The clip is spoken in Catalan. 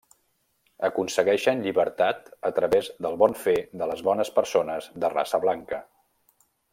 Aconsegueixen llibertat a través del bon fer de les bones persones de raça blanca.